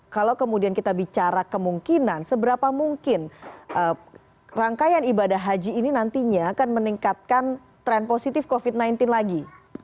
kalau kemudian kita bicara kemungkinan seberapa mungkin rangkaian ibadah haji ini nantinya akan meningkatkan tren positif covid sembilan belas lagi